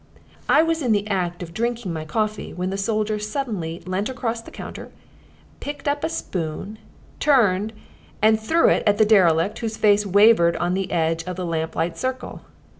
I was in the act of drinking my coffee when the soldier suddenly leant across the counter, picked up a spoon, turned, and threw it at the derelict whose face wavered on the edge of the lamplight's circle.